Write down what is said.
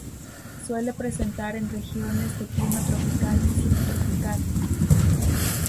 Suele presentar en regiones de clima tropical o subtropical.